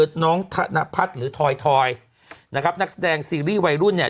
น้องธนพัฒน์หรือทอยทอยนะครับนักแสดงซีรีส์วัยรุ่นเนี่ย